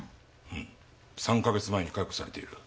うん３か月前に解雇されている。